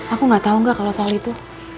aku gak tau gak kalau soal itu